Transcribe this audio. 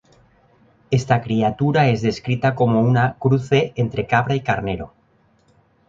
Esta criatura es descrita como una cruce entre cabra y carnero.